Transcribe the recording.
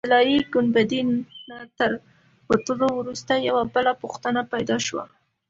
طلایي ګنبدې نه تر وتلو وروسته یوه بله پوښتنه پیدا شوه.